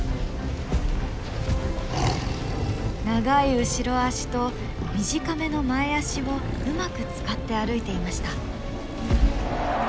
長い後ろ足と短めの前足をうまく使って歩いていました。